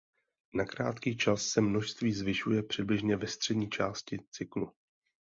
Na krátký čas se množství zvyšuje přibližně ve střední části cyklu.